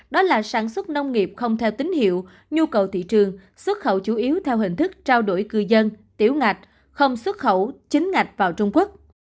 đó là sản xuất nông nghiệp không theo tín hiệu nhu cầu thị trường xuất khẩu chủ yếu theo hình thức trao đổi cư dân tiểu ngạch không xuất khẩu chính ngạch vào trung quốc